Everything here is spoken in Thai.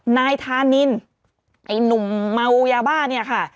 นายธานินไอ้หนุ่มเมายาบ้าเนี่ยค่ะ